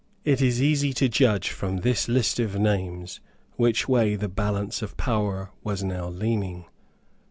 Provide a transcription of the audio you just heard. It is easy to judge from this list of names which way the balance of power was now leaning.